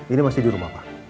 ini masih di rumah pak